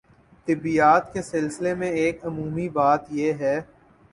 طبیعیات کے سلسلے میں ایک عمومی بات یہ ہے